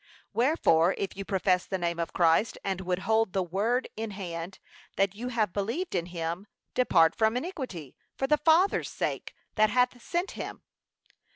Wherefore, if you profess the name of Christ, and would hold the word in hand, that you have believed in him, depart from iniquity, for the Father's sake that hath sent him.